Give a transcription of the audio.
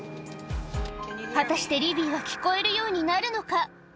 果たしてリヴィは聞こえるようになるのか？